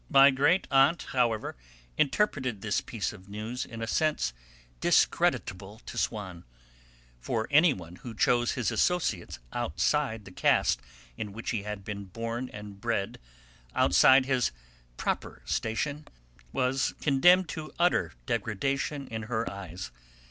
My great aunt, however, interpreted this piece of news in a sense discreditable to Swann; for anyone who chose his associates outside the caste in which he had been born and bred, outside his 'proper station,' was condemned to utter degradation in her eyes.